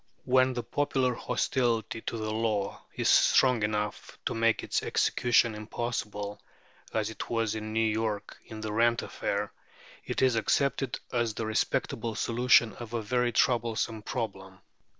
When the popular hostility to the law is strong enough to make its execution impossible, as it was in New York in the rent affair, it is accepted as the respectable solution of a very troublesome problem.